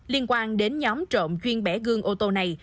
liên quan đến nhóm trộm chuyên bẻ gương ô tô này